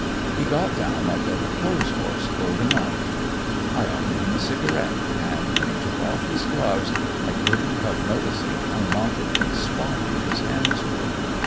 He got down like a clothes horse folding up. I offered him a cigarette, and when he took off his gloves I couldn't help noticing how knotted and spotty his hands were.